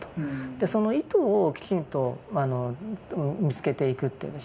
その意図をきちんと見つけていくっていうんでしょうかね